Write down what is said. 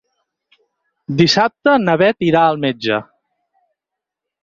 Dissabte na Bet irà al metge.